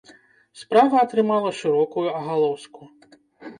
Справа атрымала шырокую агалоску.